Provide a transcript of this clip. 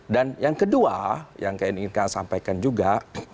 dan yang kedua yang ingin saya sampaikan juga